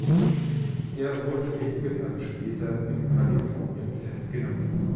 Er wurde wenige Tage später in Kalifornien festgenommen.